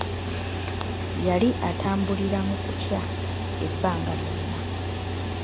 Yali atambulira mu kutya ebbanga lyonna.